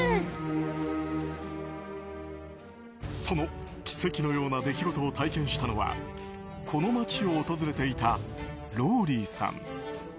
その奇跡のような出来事を体験したのはこの街を訪れていたローリーさん。